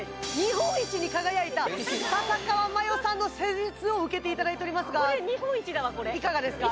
笹川麻世さんの施術を受けていただいておりますがこれ日本一だわこれいかがですか？